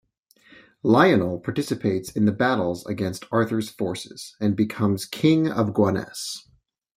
Lionel participates in the battles against Arthur's forces, and becomes King of Gaunnes.